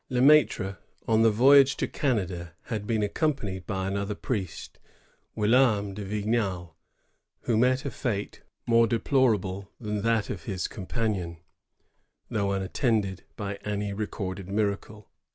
Le Mattre, on the voyage to Canada, had been accompanied by another priest, Guillaume de Vignal, who met a fate more deplorable than that of his com panion, though unattended by any recorded miracle.